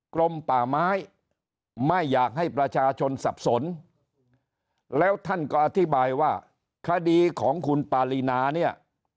กรมป่าไม้ไม่อยากให้ประชาชนสับสนแล้วท่านก็อธิบายว่าคดีของคุณปารีนาเนี่ย